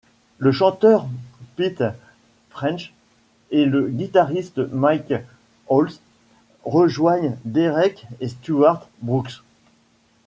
Le chanteur Pete French et le guitariste Mick Halls rejoignent Derek et Stuart Brooks.